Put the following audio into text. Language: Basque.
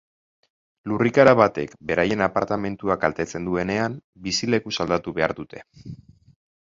Lurrikara batek beraien apartamentua kaltetzen duenean, bizilekuz aldatu behar dute.